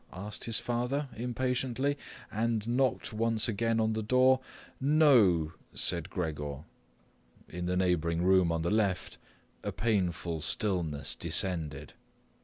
asked his father impatiently and knocked once again on the door. "No," said Gregor. In the neighbouring room on the left a painful stillness descended.